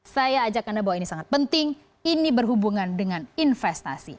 saya ajak anda bahwa ini sangat penting ini berhubungan dengan investasi